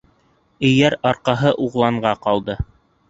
Эйәр арҡаһы уғланға ҡалыр.